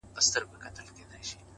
هغې ويله ځمه د سنگسار مخه يې نيسم;